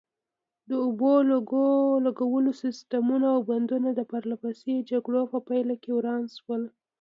د اوبو لګولو سیسټمونه او بندونه د پرلپسې جګړو په پایله کې وران شول.